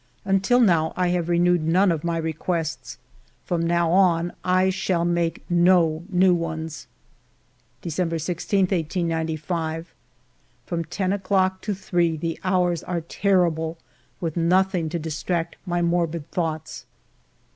Until now I have renewed none of my requests. From now on I shall make no new ones. December 16, 1895. From ten o'clock to three the hours are terrible, with nothing to distract my morbid thoughts.